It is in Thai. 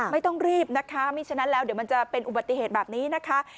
ไม่ต้องรีบนะคะไม่ฉะนั้นแล้วเดี๋ยวมันจะเป็นอุบัติเหตุแบบนี้นะคะ